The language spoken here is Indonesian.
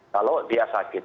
kalau dia sakit